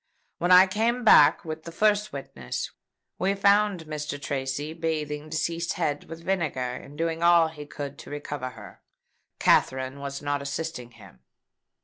When I came back with the first witness, we found Mr. Tracy bathing deceased's head with vinegar, and doing all he could to recover her. Katherine was not assisting him."